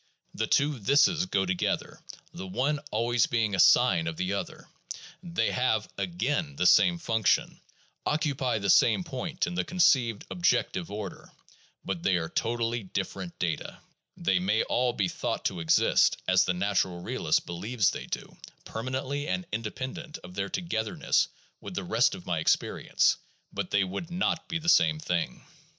The two "thises" go together, the one always being a sign of the other; they have, again, the same function, occupy the same point in the con ceived objective order; but they are totally different data. They may all be thought to exist, as the natural realist believes they do, permanently and independently of their togetherness with the rest of my experience ; but they would not be the same thing.